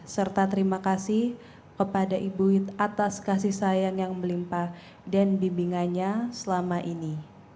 serta terima kasih kepada ibu atas kasih sayang yang melimpa dan bimbingannya selama ini